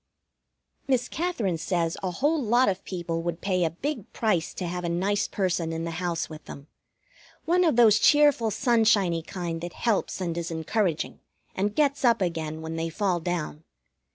Miss Katherine says a whole lot of people would pay a big price to have a nice person in the house with them one of those cheerful, sunshiny kind that helps and is encouraging, and gets up again when they fall down.